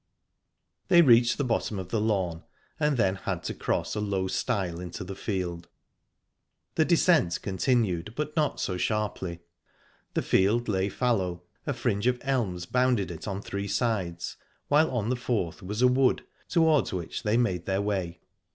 They reached the bottom of the lawn, and then had to cross a low stile into the field. The descent continued, but not so sharply. The field lay fallow; a fringe of elms bounded it on three sides, while on the fourth was a wood, towards which they made their way.